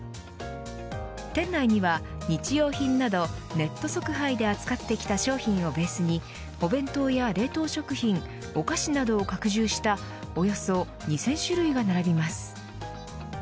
店内には日用品などネット即配で扱ってきた商品をベースにお弁当や冷凍食品お菓子などを拡充したおよそ２０００種類が並びます。